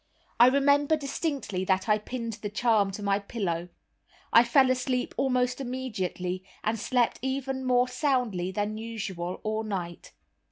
I remember distinctly that I pinned the charm to my pillow. I fell asleep almost immediately, and slept even more soundly than usual all night.